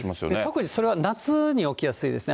特にそれは夏に起きやすいですね。